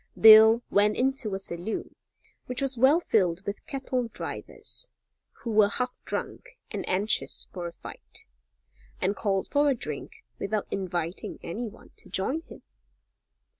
Bill went into a saloon which was well filled with cattle drivers, who were half drunk and anxious for a fight and called for a drink without inviting any one to join him.